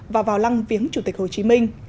và vào lăng viếng chủ tịch hồ chí minh